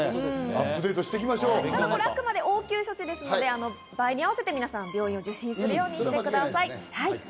あくまで応急処置ですので、場合に合わせて病院を受診するようにしてください。